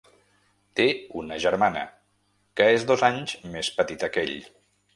Té una germana, que és dos anys més petita que ell.